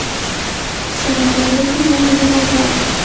د سوداګرۍ په مهمو موضوعاتو